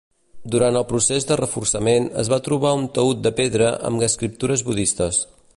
Durant el procés de reforçament, es va trobar un taüt de pedra amb escriptures budistes.